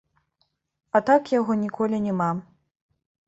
А так яго ніколі няма.